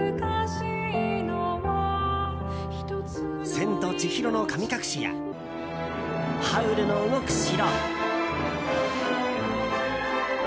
「千と千尋の神隠し」や「ハウルの動く城」。